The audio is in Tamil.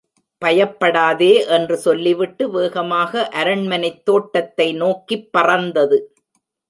பயப்படாதே என்று சொல்லிவிட்டு வேகமாக அரண்மனைத்தோட்டத்தை நோக்கிப் பறந்தது.